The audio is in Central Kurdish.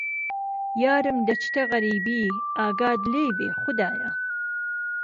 یارم دهچته غهریبی ئاگات لێی بێ خودایا